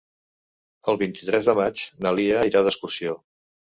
El vint-i-tres de maig na Lia irà d'excursió.